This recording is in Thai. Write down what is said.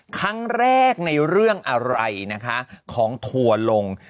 ครั้งแรกในเรื่องอะไรนะคะของถั่วลง